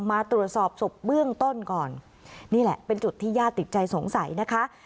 มาตรวจสอบศพเบื้องต้นก่อนนี่แหละเป็นจุดที่ญาติติดใจสงสัยนะคะ